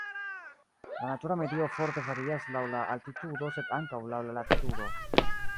La natura medio forte varias laŭ la altitudo sed ankaŭ laŭ la latitudo.